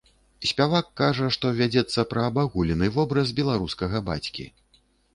Спявак кажа што вядзецца пра абагулены вобраз беларускага бацькі.